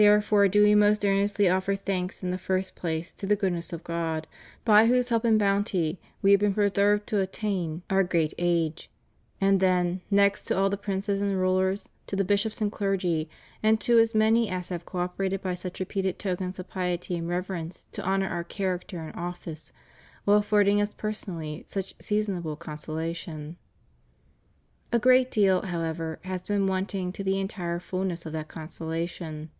Therefore do We most earnestly offer thanks in the first place to the goodness of God, by whose help and bounty We have been preserved to attain SOS 304 THE REUNION OF CHRISTENDOM. Our great age; and then, next, to all the princes and rulers, to the bishops and clergy, and to as many as have co operated by such repeated tokens of piety and rever ence to honor Our character and office, while affording Us personally such seasonable consolation. A great deal, however, has been wanting to the entire fulness of that consolation.